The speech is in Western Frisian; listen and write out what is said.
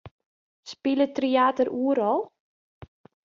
Spilet Tryater oeral?